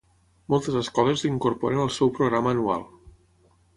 Moltes escoles l'incorporen al seu programa anual.